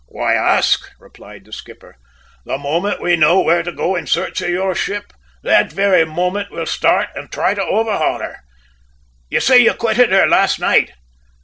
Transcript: "Why ask?" replied the skipper. "The moment we know where to go in search of your ship, that very moment we'll start and try to overhaul her. You say you quitted her last night?"